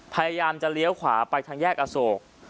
พยายามจะเลี้ยวขวาไปทางแยกอโศก